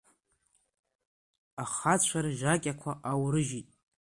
Ахацәа ржакьақәа аурыжьит…